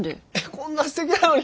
こんなすてきなのに。